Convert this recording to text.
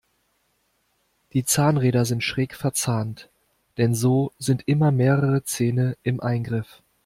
Die Zahnräder sind schräg verzahnt, denn so sind immer mehrere Zähne im Eingriff.